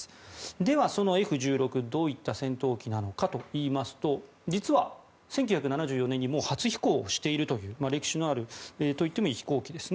では、そのＦ１６どのような戦闘機かというと実は、１９７４年に初飛行をしているという歴史のあるといってもいい飛行機ですね。